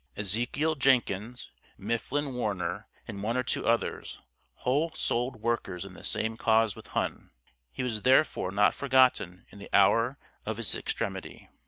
Ezekiel Jenkins, Mifflin Warner, and one or two others, whole souled workers in the same cause with Hunn; he was therefore not forgotten in the hour of his extremity.